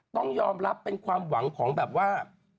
ต้องยอมรับเป็นความหวังของแบบว่า